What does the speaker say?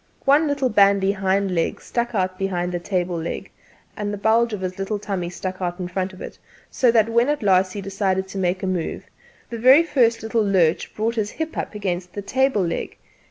One little bandy hind leg stuck out behind the table¬ leg, and the bulge of his little tummy stuck out in front of it; so that when at last he decided to make a move the very first little lurch brought his hip up against the table leg.